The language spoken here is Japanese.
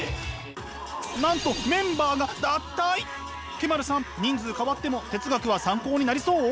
Ｋ−ｍａｒｕさん人数変わっても哲学は参考になりそう？